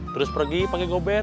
terus pergi pake gober